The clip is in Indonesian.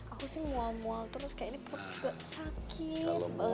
aku sih mual mual terus kayak ini perut juga sakit